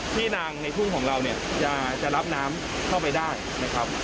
ที่นางในทุ่งของเราเนี่ยจะรับน้ำเข้าไปได้นะครับ